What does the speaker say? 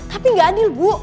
tapi gak adil bu